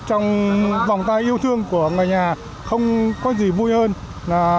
trong vòng tay yêu thương của người nhà không có gì vui hơn